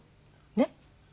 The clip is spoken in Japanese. ねっ？